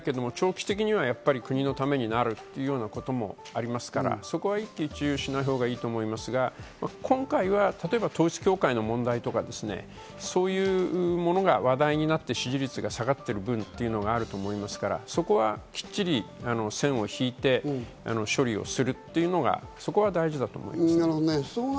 短期的にはにいいけど長期的にはやっぱり国のためになるっていうようなこともありますから、そこは一喜一憂しないほうがいいと思いますが、今回は例えば統一教会の問題とかそういうものが話題になって支持率が下がってる分ってのがあると思いますから、そこはきっちり線を引いて処理をするっていうのが、そこは大事だと思っています。